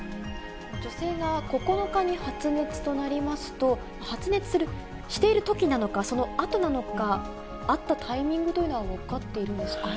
女性が９日に発熱となりますと、発熱する、しているときなのか、そのあとなのか、会ったタイミングというのは分かっているんですか？